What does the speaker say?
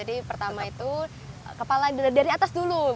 jadi pertama itu kepala dari atas dulu